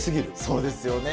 そうですよね。